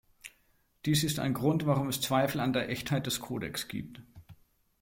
Dies ist ein Grund warum es Zweifel an der Echtheit des Codex gibt.